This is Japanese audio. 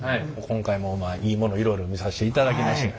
今回もいいものいろいろ見さしていただきました。